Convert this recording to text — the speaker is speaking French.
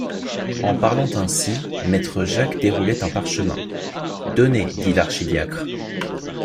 En parlant ainsi, maître Jacques déroulait un parchemin. — Donnez, dit l’archidiacre.